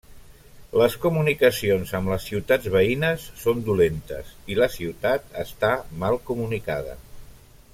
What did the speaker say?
Les comunicacions amb les ciutats veïnes són dolentes i la ciutat està mal comunicada.